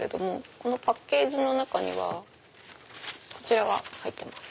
このパッケージの中にはこちらが入ってます。